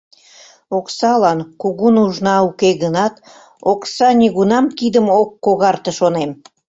Оксалан кугу нужна уке гынат, окса нигунам кидым ок когарте, шонем.